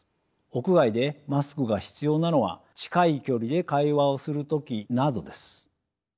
屋外でマスクが必要なのは近い距離で会話をする時などです。